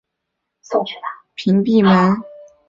全部站台面均设有屏蔽门。